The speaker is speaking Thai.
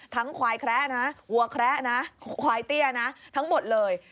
ควายแคระนะวัวแคระนะควายเตี้ยนะทั้งหมดเลย